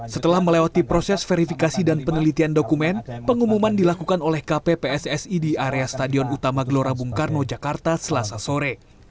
setelah melewati proses verifikasi dan penelitian dokumen pengumuman dilakukan oleh kppssi di area stadion utama gelora bung karno jakarta selasa sore